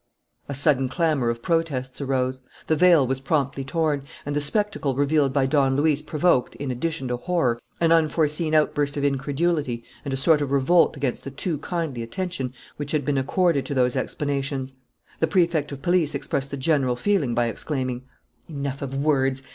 A sudden clamour of protests arose. The veil was promptly torn; and the spectacle revealed by Don Luis provoked, in addition to horror, an unforeseen outburst of incredulity and a sort of revolt against the too kindly attention which had been accorded to those explanations. The Prefect of Police expressed the general feeling by exclaiming: "Enough of words!